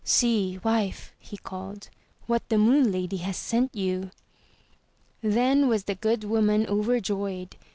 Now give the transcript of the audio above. "See, wife," he called, "what the Moon Lady has sent you." Then was the good woman overjoyed.